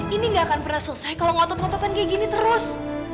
ini gak akan pernah selesai kalau ngotot ngototan kayak gini terus